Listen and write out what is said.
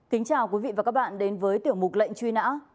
kính chào quý vị và các bạn đến với tiểu mục lệnh truy nã